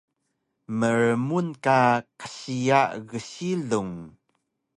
Mrmun ka qsiya gsilung